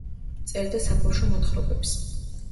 წერდა საბავშვო მოთხრობებს.